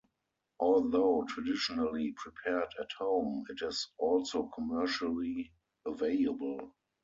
Although traditionally prepared at home, it is also commercially available.